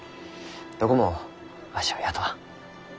どこもわしを雇わん。